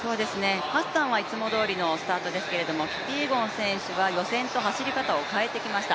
ハッサンはいつもどおりのスタートですけれどもキピエゴン選手は予選と走り方を変えてきました。